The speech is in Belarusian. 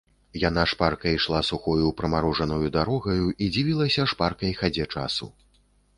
Яна шпарка ішла сухою прамарожанаю дарогаю і дзівілася шпаркай хадзе часу.